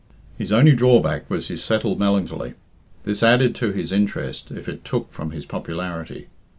His only drawback was his settled melancholy. This added to his interest if it took from his popularity.